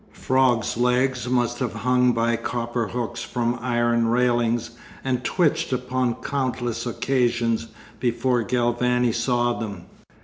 Frogs' legs must have hung by copper hooks from iron railings and twitched upon countless occasions before Galvani saw them.